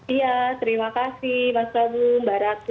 iya terima kasih mbak sabu mbak ratu